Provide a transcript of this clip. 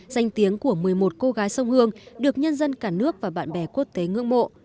danh tiếng của một mươi một cô gái sông hương được nhân dân cả nước và bạn bè quốc tế ngưỡng mộ